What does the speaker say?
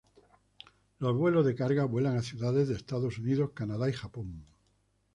Los vuelos de carga vuelan a ciudades de Estados Unidos, Canadá y Japón.